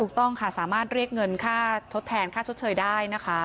ต้องค่ะสามารถเรียกเงินค่าทดแทนค่าชดเชยได้นะคะ